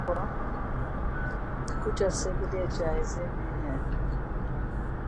یہ منصوبہ کچھ عرصہ کے لیے جائزے میں ہے